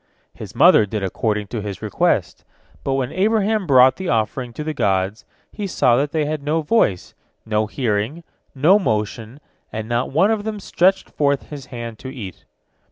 His mother did according to his request, but when Abraham brought the offering to the gods, he saw that they had no voice, no hearing, no motion, and not one of them stretched forth his hand to eat.